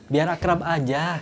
biar akrab aja